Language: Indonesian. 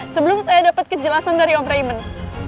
sebelum saya dapat kejelasan dari om raymond